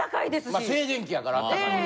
まあ静電気やからあったかいよね。